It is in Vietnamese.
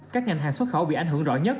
các ngành hàng xuất khẩu bị ảnh hưởng rõ nhất